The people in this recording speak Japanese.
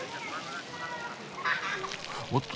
おっと。